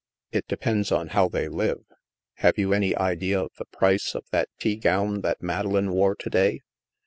" It depends on how they live. Have you any idea of the price of that tea gown that Madeleine wore to day